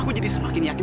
aku jadi semakin yakin